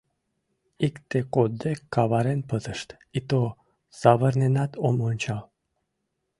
— Икте кодде каварен пытышт, ито савырненат ом ончал!»